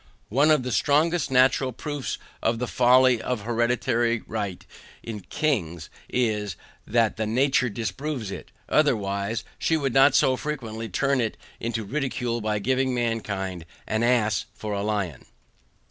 One of the strongest NATURAL proofs of the folly of hereditary right in kings, is, that nature disapproves it, otherwise, she would not so frequently turn it into ridicule by giving mankind an ASS FOR A LION.